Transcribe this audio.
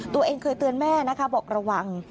ตัวเองเคยเตือนแม่นะคะบอกระวัง